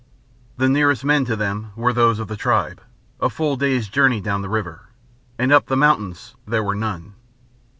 The nearest men to them were those of the tribe, a full day's journey down the river, and up the mountains there were none.